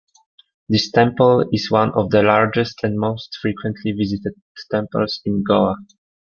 This temple is one of the largest and most frequently visited temples in Goa.